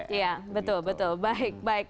di dpr betul betul baik